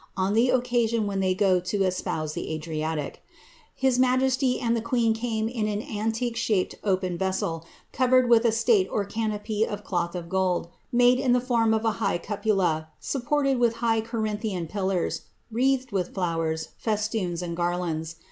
on the occasion when they go to espouse the Adriatic His majesty and the queen came in an antique shaped open vessel, covered with a state or canopy of cloth of gold, made in the form of a high cupola, lopported with high Corinthian pillars, wreathed with flowers, festoons, and garlands.